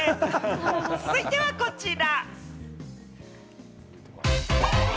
続いてはこちら。